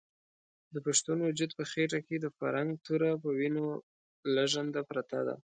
د پښتون وجود په خېټه کې د فرنګ توره په وینو لژنده پرته ده.